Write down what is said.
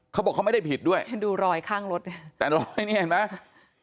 เขาบอกเขาไม่ได้ผิดด้วยดูลอยข้างลดแต่ลอยเนี้ยเห็นไหม